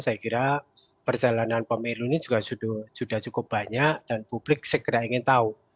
saya kira perjalanan pemilu ini juga sudah cukup banyak dan publik segera ingin tahu